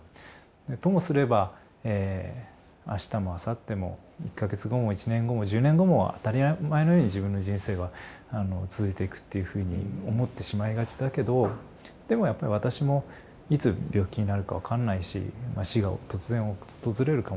ともすれば明日もあさっても１か月後も１年後も１０年後も当たり前のように自分の人生は続いていくというふうに思ってしまいがちだけどでもやっぱり私もいつ病気になるか分かんないし死が突然訪れるかもしれない。